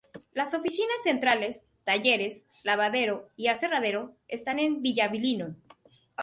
Las oficinas centrales, talleres, lavadero y aserradero están en Villablino.